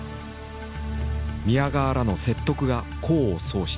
宮川らの説得が功を奏した。